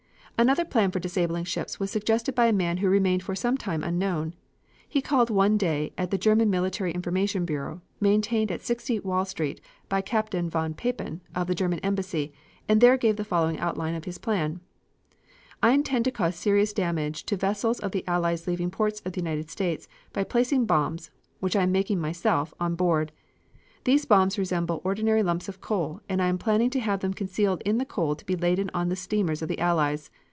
Another plan for disabling ships was suggested by a man who remained for some time unknown. He called one day at the German Military Information Bureau, maintained at 60 Wall Street by Captain von Papen, of the German embassy, and there gave the following outline of his plan: "I intend to cause serious damage to vessels of the Allies leaving ports of the United States by placing bombs, which I am making myself, on board. These bombs resemble ordinary lumps of coal and I am planning to have them concealed in the coal to be laden on steamers of the Allies.